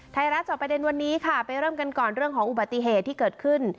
จอบประเด็นวันนี้ค่ะไปเริ่มกันก่อนเรื่องของอุบัติเหตุที่เกิดขึ้น